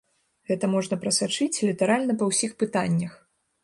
Гэта можна прасачыць літаральна па ўсіх пытаннях.